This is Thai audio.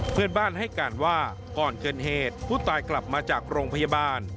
เพื่อนบ้านให้การว่าก่อนเกิดเหตุผู้ตายกลับมาจากโรงพยาบาล